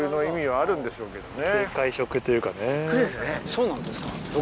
そうなんですか。